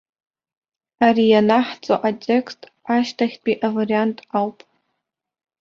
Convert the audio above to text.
Ара ианаҳҵо атекст ашьҭахьтәи авариант ауп.